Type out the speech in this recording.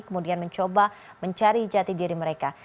kemudian mencoba mencari jati diri mereka